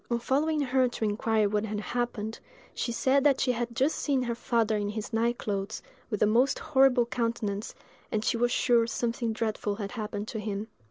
On following her to inquire what had happened, she said that she had just seen her father in his night clothes, with a most horrible countenance, and she was sure something dreadful had happened to him.